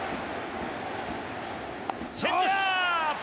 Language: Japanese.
チェンジアップ！